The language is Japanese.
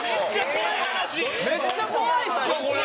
めっちゃ怖いっすよこれ！